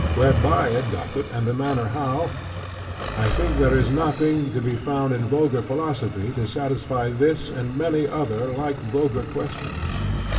whereby it doth it? and the manner how? I think that there is nothing to be found in vulgar philosophy, to satisfy this and many other like vulgar questions.